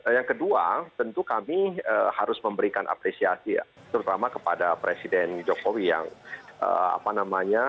yang kedua tentu kami harus memberikan apresiasi terutama kepada presiden jokowi yang apa namanya